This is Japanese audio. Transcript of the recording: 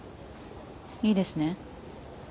いいですね？